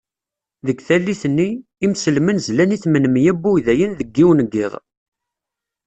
Deg tallit-nni, imselmen zlan i tmen-mya n Wudayen deg yiwen n yiḍ.